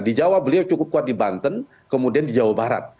di jawa beliau cukup kuat di banten kemudian di jawa barat